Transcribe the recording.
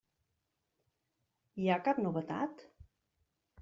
Hi ha cap novetat?